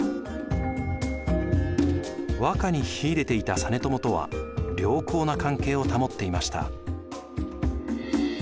和歌に秀でていた実朝とは良好な関係を保っていました。